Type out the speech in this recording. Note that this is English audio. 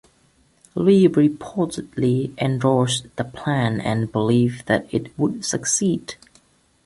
Lee reportedly endorsed the plan, and believed that it would succeed.